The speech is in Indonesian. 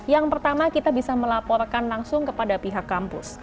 yang pertama kita bisa melaporkan langsung kepada pihak kampus